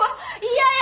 嫌や！